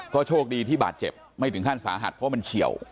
ก็โชคดีที่บาดเจ็บไม่ถึงขั้นสาหัสเพราะมันเฉียว